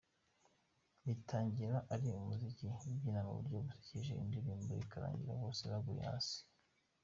Bitangira ari umuziki babyina mu buryo busekeje, indirimbo ikarangira bose baguye hasi.